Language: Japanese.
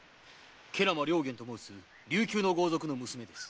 慶良間良源と申す琉球の豪族の娘です。